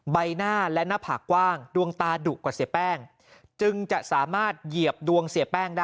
ใบหน้าและหน้าผากกว้างดวงตาดุกว่าเสียแป้งจึงจะสามารถเหยียบดวงเสียแป้งได้